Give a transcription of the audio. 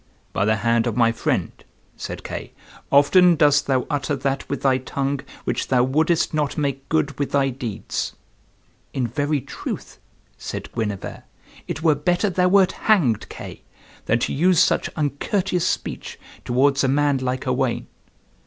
"By the hand of my friend," said Kay, "often dost thou utter that with thy tongue which thou wouldest not make good with thy deeds." "In very truth," said Guenever, "it were better thou wert hanged, Kay, than to use such uncourteous speech towards a man like Owain."